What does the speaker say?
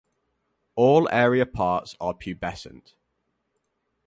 All aerial parts are pubescent.